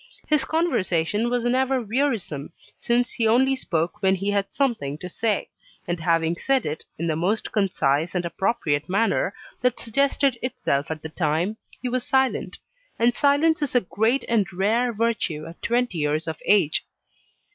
His conversation was never wearisome, since he only spoke when he had something to say; and having said it, in the most concise and appropriate manner that suggested itself at the time, he was silent; and silence is a great and rare virtue at twenty years of age.